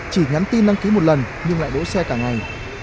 chỉ nhắn tin đăng ký một lần nhưng lại đỗ xe cả ngày